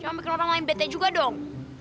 jangan bikin orang lain bete juga dong